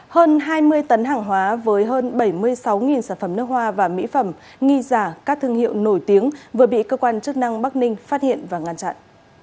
hơn hai mươi tấn hàng hóa với hơn bảy mươi sáu sản phẩm nước hoa và mỹ phẩm nghi giả các thương hiệu nổi tiếng vừa bị cơ quan chức năng bắc ninh phát hiện và ngăn chặn